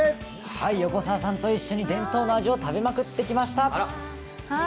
横澤さんと一緒に伝統の味を食べまくってきました。